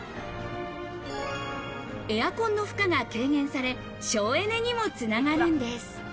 エアコンの負荷が軽減され、省エネにも繋がるんです。